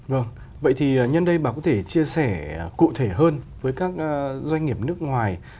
vâng vậy thì nhân đây bà có thể chia sẻ cụ thể hơn với các doanh nghiệp nước ngoài